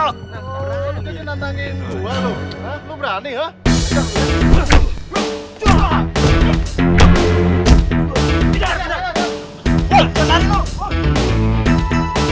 oh lo jadi nantangin dua lo